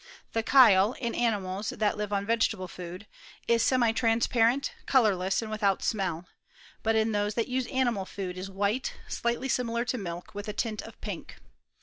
The chyle, in animals that live on vegetable food, is semitran spa rent, colourless, and without smell ; but in those that use animal food it is white, slightly similar to milk, with a tint of pink.